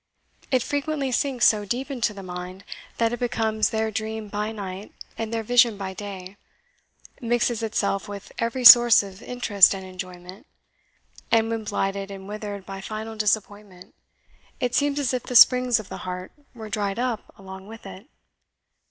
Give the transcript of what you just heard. It frequently sinks so deep into the mind that it becomes their dream by night and their vision by day mixes itself with every source of interest and enjoyment; and when blighted and withered by final disappointment, it seems as if the springs of the heart were dried up along with it.